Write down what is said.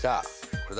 これだ！